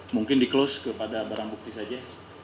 mungkin di close kepada barang bukti saja